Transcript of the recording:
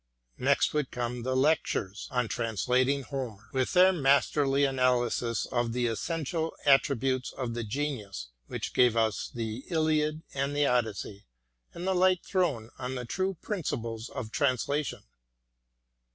Next would come the lectures " On Translating Homer," with their masterly analysis of the essential attributes of the genius which gave us the " Iliad " and the " Odyssey," and the light thrown on the true principles of translation.